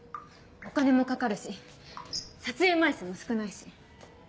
お金もかかるし撮影枚数も少ないし。